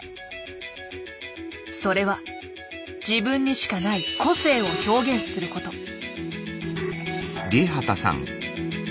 それは自分にしかない個性を表現すること。